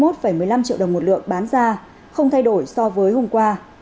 năm mươi một một mươi năm triệu đồng một lượng bán ra không thay đổi so với hôm qua